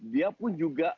dia pun juga